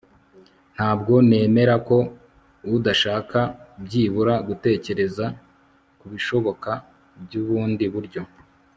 Ntabwo nemera ko udashaka byibura gutekereza kubishoboka byubundi buryo